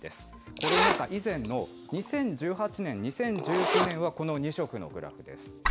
コロナ禍以前の２０１８年、２０１９年は、この２色のグラフです。